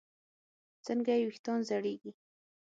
څنګه چې ویښتان زړېږي